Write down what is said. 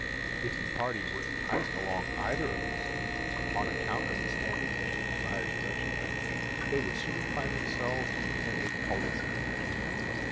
If the party were enticed along either of these leads, on account of its trending in the de sired direction, they would soon find themselves in a cul de sac.